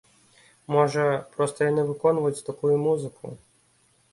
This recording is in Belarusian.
Можа, проста яны выконваюць такую музыку!?